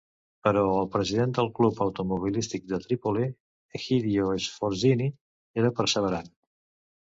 Però el president del club automobilístic de Trípoli, Egidio Sforzini, era perseverant.